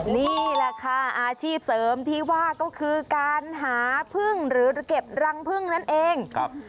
นี่แหละค่ะอาชีพเสริมที่ว่าก็คือการหาพึ่งหรือเก็บรังพึ่งนั่นเองครับ